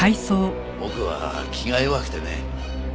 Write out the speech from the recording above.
僕は気が弱くてね。